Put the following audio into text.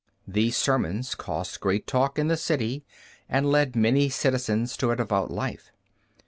These sermons caused great talk in the city, and led many citizens to a devout life.